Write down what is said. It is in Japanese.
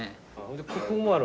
ここもある。